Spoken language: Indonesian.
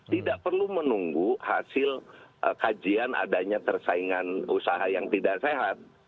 tidak perlu menunggu hasil kajian adanya tersaingan usaha yang tidak sehat